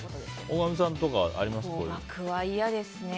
大神さんとかありますか？